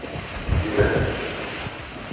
Gnet!